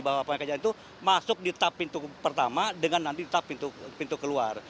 bahwa pemakai jalan itu masuk di tap pintu pertama dengan nanti di tap pintu keluar